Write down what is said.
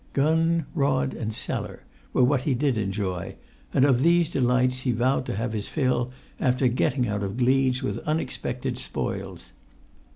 Gun, rod, and cellar were what he did enjoy, and of these delights he vowed to have his fill after getting out of Gleeds with unexpected spoils.